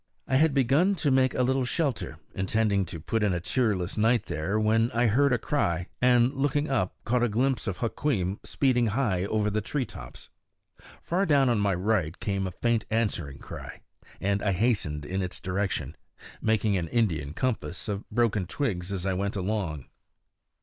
I had begun to make a little shelter, intending to put in a cheerless night there, when I heard a cry, and looking up caught a glimpse of Hukweem speeding high over the tree tops. Far down on my right came a faint answering cry, and I hastened in its direction, making an Indian compass of broken twigs as I went along.